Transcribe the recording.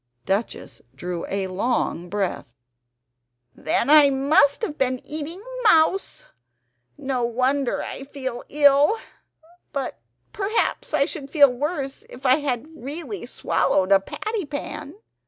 Duchess drew a long breath "Then I must have been eating MOUSE! ... No wonder I feel ill. ... But perhaps I should feel worse if I had really swallowed a patty pan!"